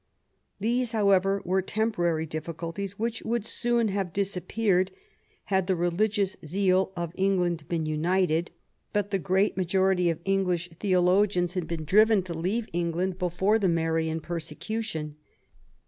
These, however, were temporary difficulties, which would soon have disappeared had the religious zeal of England been united. But the great majority of English theologians had been driven to leave England before the Marian persecution.